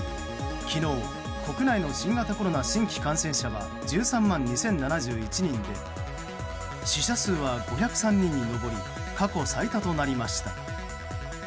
昨日、国内の新型コロナ新規感染者は１３万２０７１人で死者数は５０３人に上り過去最多となりました。